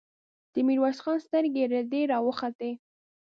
د ميرويس خان سترګې رډې راوختې!